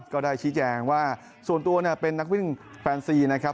ก็ได้ชี้แจงว่าส่วนตัวเป็นนักวิ่งแฟนซีนะครับ